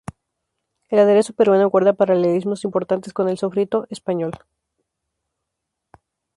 El aderezo peruano guarda paralelismos importantes con el sofrito español.